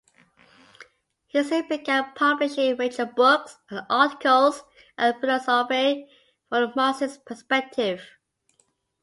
He soon began publishing major books and articles on philosophy from a Marxist perspective.